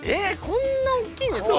こんなおっきいんですか？